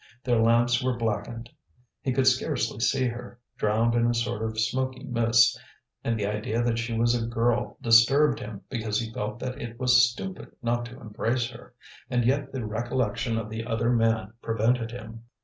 Their lamps were blackened. He could scarcely see her, drowned in a sort of smoky mist; and the idea that she was a girl disturbed him because he felt that it was stupid not to embrace her, and yet the recollection of the other man prevented him.